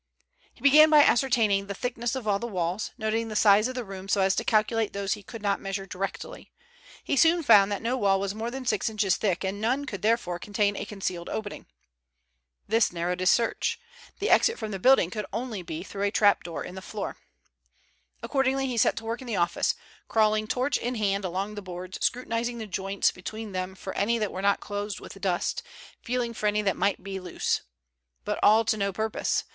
He began by ascertaining the thickness of all the walls, noting the size of the rooms so as to calculate those he could not measure directly. He soon found that no wall was more than six inches thick, and none could therefore contain a concealed opening. This narrowed his search. The exit from the building could only be through a trap door in the floor. Accordingly he set to work in the office, crawling torch in hand along the boards, scrutinizing the joints between them for any that were not closed with dust, feeling for any that might be loose. But all to no purpose.